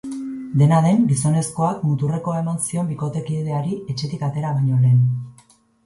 Dena den, gizonezkoak muturrekoa eman zion bikotekideari etxetik atera baino lehen.